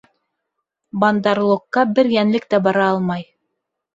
Бандар-логҡа бер йәнлек тә бара алмай.